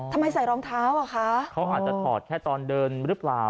ใส่รองเท้าอ่ะคะเขาอาจจะถอดแค่ตอนเดินหรือเปล่า